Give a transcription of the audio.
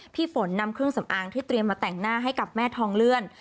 พี่ฝนนำเครื่องสำอางที่เตรียมมาแต่งหน้าให้กับแม่ทองเลื่อน